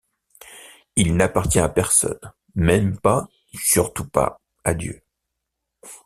Il n’appartient à personne, même pas, surtout pas, à Dieu.